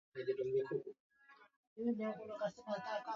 Na vitu hivyo ni kama Je nani kafanya na ni nini kimefanyika